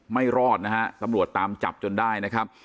ไม่รอดนะฮะตำรวจตามจับจนได้นะครับ